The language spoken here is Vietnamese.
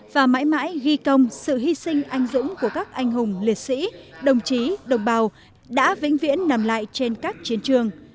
và mãi mãi ghi công sự hy sinh anh dũng của các anh hùng liệt sĩ đồng chí đồng bào đã vĩnh viễn nằm lại trên các chiến trường